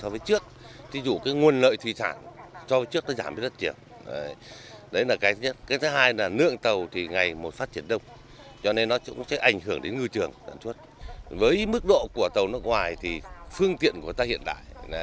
với mức độ của tàu nước ngoài thì phương tiện của ta hiện đại